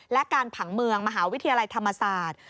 และการผังเมืองมหาวิทยาลัยธรรมศาสตร์